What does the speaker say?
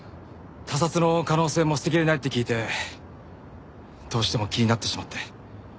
他殺の可能性も捨てきれないって聞いてどうしても気になってしまって。